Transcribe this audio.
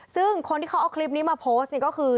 ซึ่งคนที่เขาเอาคลิปนี้มาโพสต์นี่ก็คือ